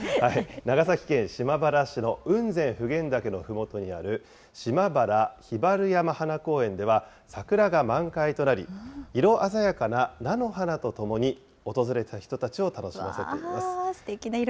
長崎県島原市の雲仙・普賢岳のふもとにある、しまばら火張山花公園では、桜が満開となり、色鮮やかな菜の花とともに、訪れた人たちを楽しませています。